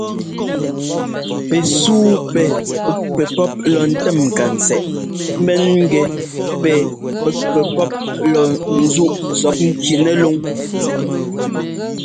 Pɛsúu pɛ pɛ́k pɛpɔ́p lɔ ńtɛ́m ŋkantsɛꞌ ḿbɛn gɛ pɛ pɛ́k pɛpɔ́p lɔ ńzúꞌ zɔpŋki nɛlúŋ.